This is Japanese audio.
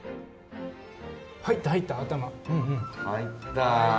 入った入った頭。